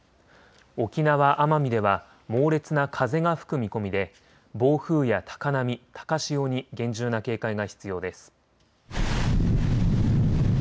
沖縄・奄美では猛烈な風が吹く見込みで暴風や高波、高潮に厳重な警戒が必要です。